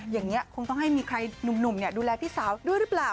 อย่างนี้คงต้องให้มีใครหนุ่มดูแลพี่สาวด้วยหรือเปล่า